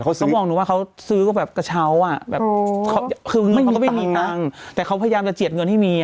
ก็พอมองดูว่าเขาซื้อก็แบบกระเชาะแบนเพิ่มคือเค้าก็ไม่มีตั้งแต่เขาพยายามจะเจียดเงินให้มี